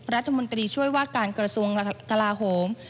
รัฐมนตรีช่วยว่าการกระทรวงกลาโหม